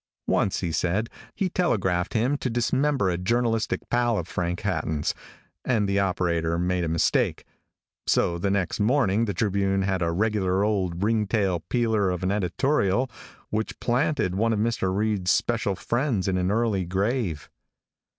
Once, he said, he telegraphed him to dismember a journalistic pal of Frank Hatton's, and the operator made a mistake. So the next morning the Tribune had a regular old ring tail peeler of an editorial, which planted one of Mr. Reid's special friends in an early grave.